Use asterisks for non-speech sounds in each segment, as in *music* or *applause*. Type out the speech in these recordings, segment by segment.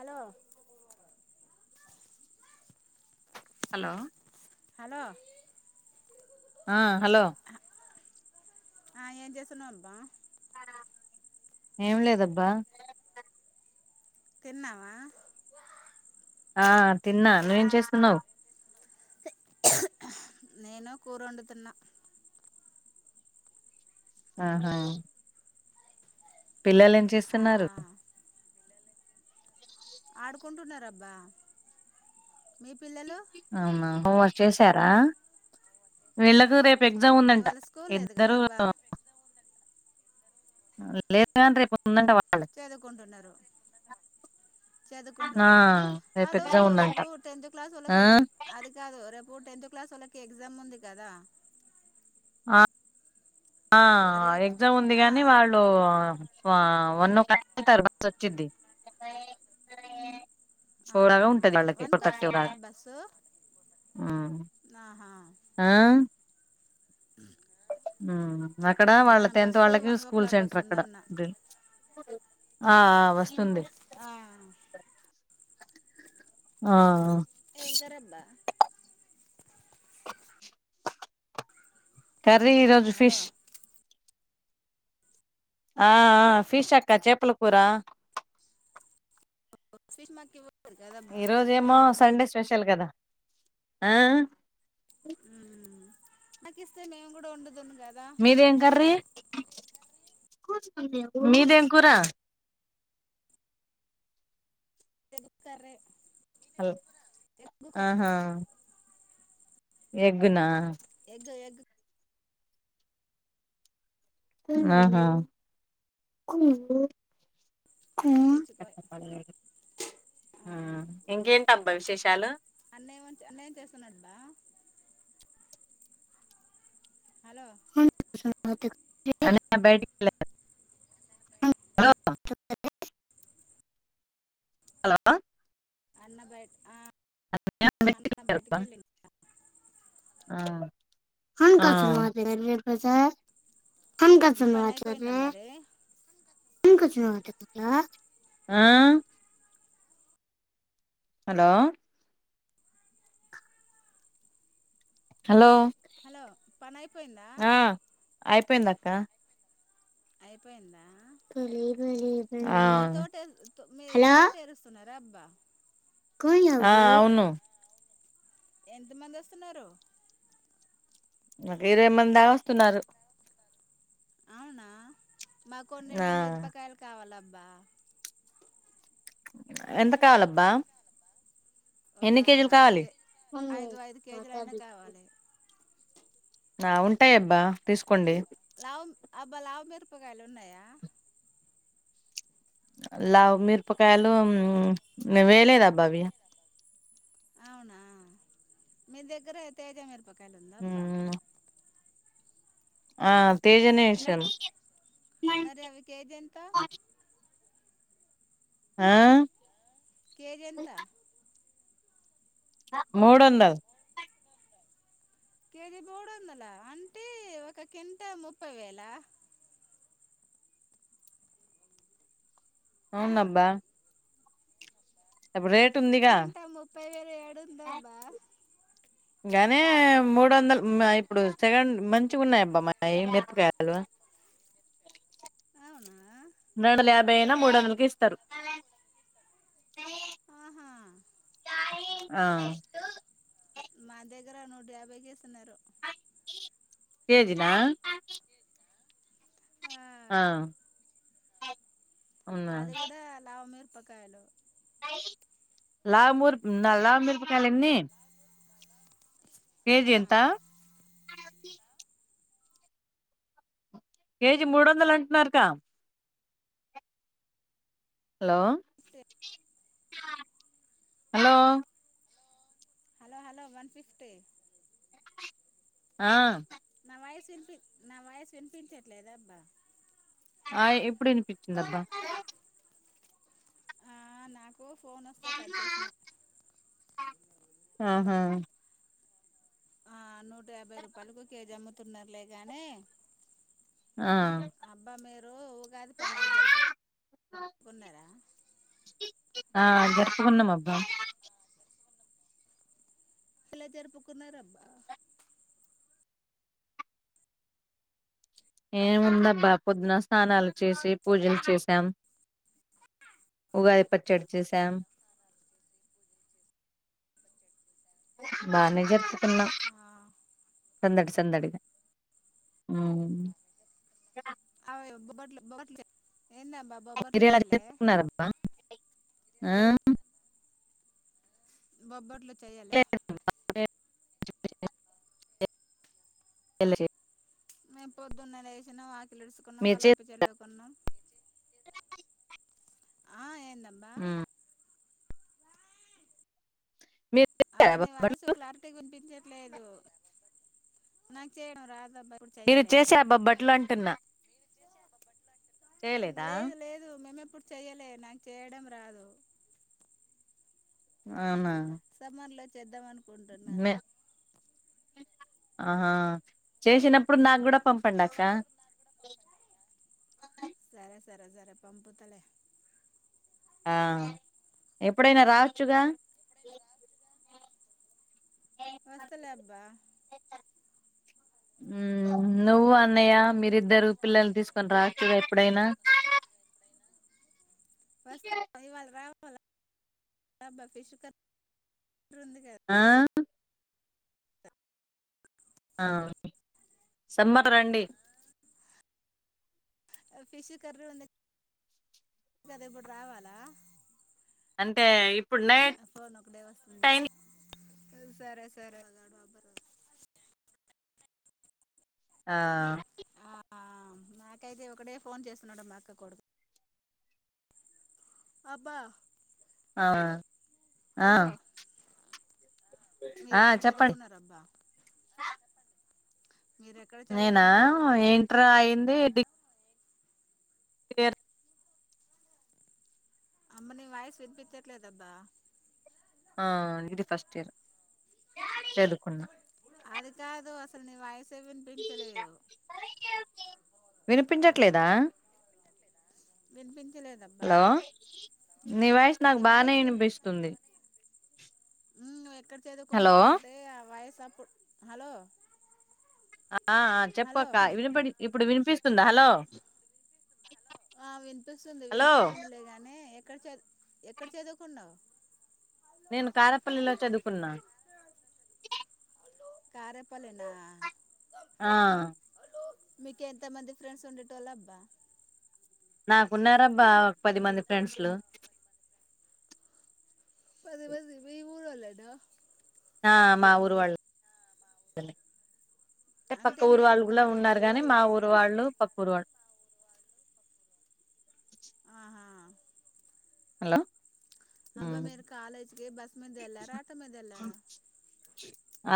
అలో hello hello ఆ hello ఆ ఏం చేస్తున్నావ్ అబ్బా ఏం లేదబ్బా. తిన్నావా ఆ తిన్నా నువ్వేం చేస్తున్నావ్ నేను కూర ఒండుతున్నా ఆహా పిల్లల్ ఏం ఆ చేస్తున్నారు ఉంటన్నారబ్బా మీ పిల్లలు ఔనా హోంవర్క్ చేసారా వీళ్ళకూ రేప్ గ్జామ్ ఉందంట ఇవాళ స్కూల్ లేదు ఇద్దరూ కదా అబ్బా *unintelligible* వాళ్ళకి చదువ్కుంటున్నరు ఆ చదువుకుంటున్నారా రేపు ఆళ్ళు ఎగ్జామ్ ఉందంట రేపు టెన్త్ ఆ క్లాసోళ్ళక్ ఎగ్జ్ అది కాదు రేప్ ఉ టెన్త్ క్లాసోళ్ళకి ఎగ్జామ్ ఉంది కదా ఆ రేపు ఎగ్జామ్ ఉంది ఆ గనీ వాళ్ళు ఆ వన్న వన్ ఓ క్లాక్ తర్వాత వచ్చిద్ది. ఆ చూడగా ఉంటది వాళ్ళకి వన్ కి వస్తుందా బస్సు *unintelligible* ఆహా ఆ ఆ ఉమ్ అక్కడ ఆ వాళ్ళ టెన్త్ బస్సు వాళ్ళకి వన్ ఓ స్కూల్ క్లాక్ సెంటర్ అక్కడ. వస్తుందన్న ఆ ఆ వస్తుంది. ఆ ఆఆ ఏం కురబ్బా? కర్రీ ఈ రోజు హలో ఫిష్ ఆ ఆ ఫిష్ అక్క చేపల కూర. ఫిష్ మాకివ్వు ఈ రోజేమో సండే స్పెషల్ కదా, ఆ నాకిస్తే నేం కూడా వండుదును. కదా మీది ఏం కర్రీ? మీదేం కూర? ఎగు కర్రె అల్ ఆహా ఎగ్గునా. గ ఎగ్ ఆహా కు తెచ్చుకో ఆ విశేషాలు అన్నయ్యమ అన్నయ్యం చేస్తున్నాదంటన? హలో అన్నయ్య బయటికెళ్లే హలో హలో అన్న బయట ఆ అన్న బయటికెళ్ళిండు. ఆ ఆ పని అయిపోయిందా మరి *unintelligible* ఆ హలో హలో హలో పనైపోయిందా? ఆ అయిపోయిందక్క అయిపోయింద ఆ రబ్బా ఆ అవును. ఎంత మంది వస్తున్నారు? ఒక ఇరవై మంది దా వస్తున్నారు అవునా మాకు కొన్ని ఆ నీ మిరపకాయలు కావాలబ్బా. ఎంత కావాలబ్బా? ఒక ఎన్ని కేజీలు ఐదు కావాలి కే ఐదు ఐదు కేజీలయిన కావాలి. ఆ ఉంటాయబ్బా తీసుకోండి. లావు అబ్బా లావుమిరపకాయలు ఉన్నాయా? లావు మిరపకాయలు ఉమ్ వేయలేదబ్బా అవి. అవునా, మీ దగ్గర తేజ మిరపకాయలు ఉందా అబ్బా? మ్, ఆ తేజనే ఏషాను. మరి అవి కేజెంత? ఆ కేజి ఎంత? మూడు వందల్ కేజీ మూడు వందల అంటే ఒక కింటా ముప్పై వేలా అవునబ్బా ఎప్ రే కింటా ముప్పై వేలు ఏడుందబ్బా గానీ మూడు వందలు ఇప్పుడు సెకండ్ మంచి ఉన్నాయి అబ్బా మాయి మిరపకాయలు ప *inaudible* రెండు వందల యాభై అయినా మూడు వందలకి ఇస్తారు ఆహా ఆ మా దగ్గర నూట యాభైకె ఇస్తున్నారు కేజినా ఆ అవునా అది గూడా లావ్ మిరపకాయలు లా ముర్పు లా మిరపకాయలేన్ని ఆ, కేజీ ఎంత కేజీ మూడు వందలు అంటున్నారు గా హలో అట్టే *inaudible* hello hello hello one fifty ఆ నా వయసు వినిపి నా వాయస్ వినిపించట్లేదా అబ్బా ఆయ్ ఇప్పుడు వినిపించిందబ్బా ఆ నాకు ఫోన్ వస్తే కట్ చేసిన ఆహా ఆ నూట యాభై రూపాయలకు కేజీ అమ్ముతున్నారులే గాని ఆ అబ్బా మీరు ఉగాది పండుగ జరుపుకు కున్నారా ఆ జరుపుకున్నాం అబ్బా ఎలా జరుపుకున్నారు అబ్బా ఏముందబ్బా పొద్దున స్నానాలు చేసి పూజలు చేసాం ఉగాది పచ్చడి చేసామ్ ే *inaudible* బానే జెర్పుకున్నామ్ ఆ సందడి సందడిగా ఒప్పుకోట్లే *unintelligible* మీరేలా జెర్పుకున్నారబ్బా ఆ బొబ్బట్లు చెయ్యాలే *inaudible* మేం పొద్దున్నే లేేసినాం వాకిలిడుచుకున్నాం మీరు చే కలాపి చెల్లు ఆ ఏందబ్బా ఉమ్ మీరు అబ్బా చేసారా నీ వాయిసు బొబ్బట్లు క్లారిటీ వినిపించట్లేదు నాకు చేయడం రాదు మీరు చేసే అబ్బా బట్లు అంటున్నా చేయ లేదా లేదు లేదు మేమెప్పుడు చెయ్యలే నాకు చేయడం రాదు అవునా సమ్మర్ లో చేద్దాం అనుకుంటున్న మే ఆహా చేసినప్పుడు నాకు గూడా పంపండి అక్క సరే సరే సరే పంపుతలే ఆ ఎప్పుడైనా రావచ్చుగా వస్తలే అబ్బా నువ్వు అన్నయ్య మీరిద్దరు పిల్లలు తీసుకొని రావచ్చు కదా ఎప్పుడైనా వస్తా ఇవాళ రావాలిబ్బా ఫిష్ కర్రి ఆ ఆ సమ్మరరండి ఫిష్ కర్రీ ఉంది కదా ఇప్పుడు రావాలా అంటే ఇప్పుడు నైట్ ఫోన్ ఒకటే వస్తుంది టై సరే సరే వగాడు బరు ఆ నాకైతే ఒకటే ఫోన్ చేస్తున్నాడు మా అక్క కొడుకు అబ్బా ఆ హలో ఆ మీరు ఆ ఎక్కడ చెప్పండి చదువుకున్నరబ్బా నేనా చదువుకున్నారు ఏంటర్ అయింది డిగ్ అమ్మని వాయిస్ వినిపితి ఎట్లే తబ్బా ఆ ఇది ఫస్ట్ ఇయర్ చదువుకున్నా అది కాదు అసలు నీ వాయిసే వినిపించలేదు వినిపించట్లేదా వినిపించలేదబ్బా హలో నీ వాయిస్ నాకు బానే వినిపిస్తుంది ను ఎక్కడ చదువుకున్నావ హలో అంటే ఆ వయసప్పుడు హలో ఆ హలో చెప్పక్క వినిపి ఇప్పుడు వినిపిస్తుందా హలో ఆ వినిపిస్తుంది హలో వినిపిస్తుంది లేగాని ఎక్కడ చ ఎక్కడ చదువుకున్నావు. నేను కారపల్లిలో చదువుకున్నా కారేపల్నా ఆ మీకు ఎంత మంది ఫ్రెండ్స్ ఉండేటోలో అబ్బా నాకున్నారాబ్బా ఒక పది మంది ఫ్రెండ్స్లు పది మంది మీ ఊరు వాళ్లేనా, ఆ మా ఊరు వాళ్ళే అంటే పక్క ఊరు మీరు వాళ్ళు కూడా ఉన్నారు కాలేజ్కి గానీ మా ఊరు వాళ్ళు పక్క ఊరు వాళ్ళు ఆహా హలో అబ్బా ఉమ్. మీరు కాలేజ్కి బస్సు మీద వెళ్లారా, ఆటోలో వెళ్లారాబస్ మీద ఎలార ఆటో మీద ఎలారా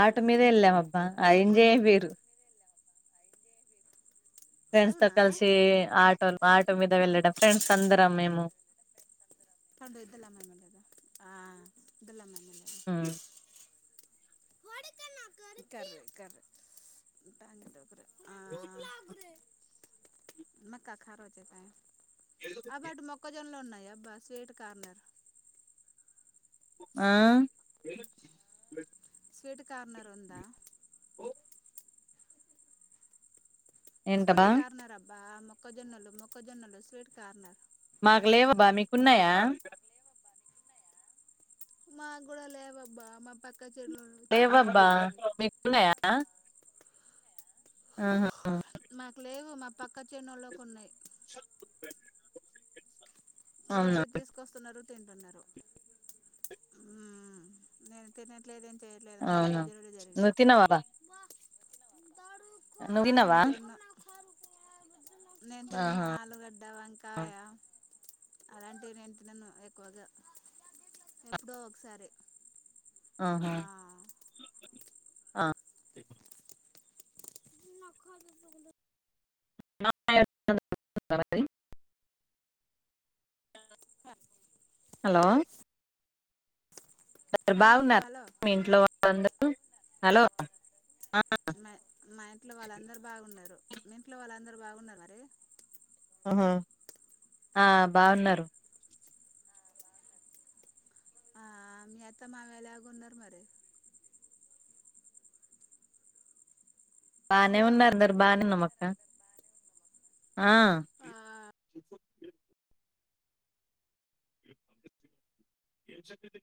ఆట మీదే వెళ్ళాంబ్బా అ ఎంజాయి ఏ వేరు ఫ్రెండ్స్ తో అవునా కలిసి ఆటోలు మా ఆటో మీద వెళ్ళడం ఫ్రెండ్స్ అందరం మేము పండు ఇద్దలమ్మ ఎమ్మెల్యేదా ఇద్దలమ్మ ఎమ్మెల్యేదా ఆ కర్రీ కర్రీ మక్కఖారచ్చ ఆ బటు మొక్క జోన్ లోన్నా బాస్ వేట్ కార్నర్ ఆ స్వీట్ కార్నర్ ఉందా స్వీట్ ఏంటబ్బా కార్నర్ అబ్బా మొక్కజొన్నలు మొక్కజొన్నలు స్వీట్ కార్నర్ మాకు లేవబ్బా మీకున్నాయా మాకు గూడా లేవబ్బా మా పక్క చేను లేవబ్బా చేనుళ్ళకు ఉన్నాయి మీకు ఉన్నాయా ఆహ మాకు లేవు మా పక్క చేన్నోళ్ల కు ఉన్నాయి. అవునా రోజు తీసుకొస్తున్నారు. తింటున్నారు. మ్ నేను తినట్లేదేన్ చేయట్లేదు మూడు అవునా సర్జరీలు నువ్వు జరిగినాయి. తినవారా ఆ నువ్వు తినవా నేను తిరిన్న. నేను తినను. ఆహా ఆలుగడ్డ, వంకాయా అలాంటివి నేను తినను ఎక్కువగా. ఎప్పుడో ఒకసారె ఆ ఆహా *inaudible* *inaudible* *unintelligible* హలో సరె హలో బాగున్నార హలో మీ ఇంట్లో వాళ్ళందరు? హలో ఆ మ మా ఇంట్లో వాళ్ళందరు బాగున్నారు. మీ ఇంట్లో వాళ్ళందరు బాగున్రా మరి? అహ ఆ బాగున్నారు. ఆ మీ అత్త మావ ఎలాగున్నారు మరి బానే హలో ఉన్నారు. అందరు బానే ఉన్నాం అక్క. ఆ ఆ ఏం సంగతి